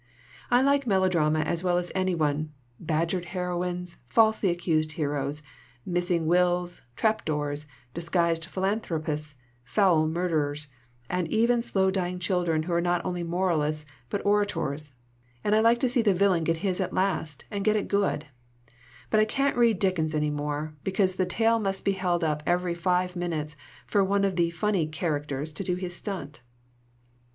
I like melodrama as well as any one, badgered heroines, falsely accused heroes, missing wills, trap doors, disguised phil anthropists, foul murders, and even slow dying children who are not only moralists, but orators; and I like to see the villain get his at last, and get it good; but I can't read Dickens any more, be iii LITERATURE IN THE MAKING cause the tale must be held up every five minutes for one of the funny 'characters' to do his stunt.